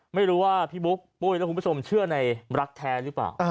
ไม่รู้ว่าพี่บุ๊คปุ้ยและคุณผู้ชมเชื่อในรักแท้หรือเปล่า